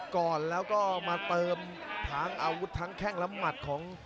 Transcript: ก่อนแล้วก็มาเติมทั้งอาวุธทั้งแข้งและหมัดของ